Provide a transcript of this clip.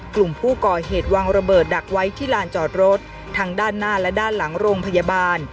กลุ่มผู้ก่อเหตุวางระเบิดดักไว้ที่ลานจอดรถทางด้านหน้าและด้านหลังโรงพยาบาล